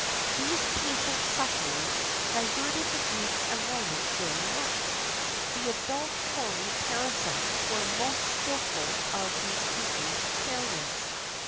These patient sufferers[XXXIV 17] diverted the Greeks and Romans very much. The adulatory parasites were the most skilful of these hungry parias.